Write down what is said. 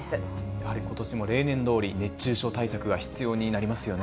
やはりことしも例年どおり、熱中症対策が必要になりますよね。